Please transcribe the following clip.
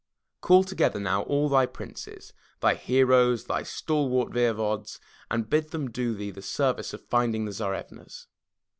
Call together now all thy princes, thy heroes, thy stalwart voevods, and bid them do thee the service of finding the Tsarevnas.